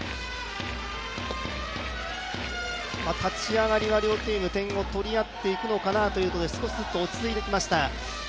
立ち上がりは両チーム点を取り合っていくのかなという感じでしたが少しずつ落ち着いてきました。